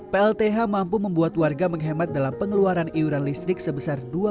plth mampu membuat warga menghemat dalam pengeluaran iuran listrik sebesar dua lima juta juta rupiah